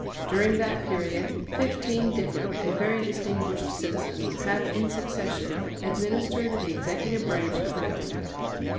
During that period, fifteen different and very distinguished citizens have in succession administered the executive branch of the Government.